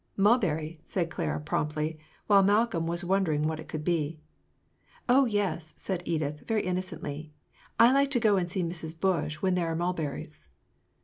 "Mulberry," said Clara, promptly, while Malcolm was wondering what it could be. "Oh yes," said Edith, very innocently; "I like to go and see Mrs. Bush when there are mulberries."